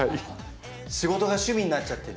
仕事が趣味になっちゃってる。